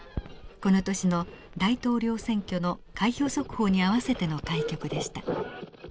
この年の大統領選挙の開票速報に合わせての開局でした。